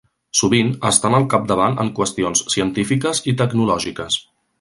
Sovint estan al capdavant en qüestions científiques i tecnològiques.